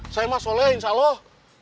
saya mas soleh insya allah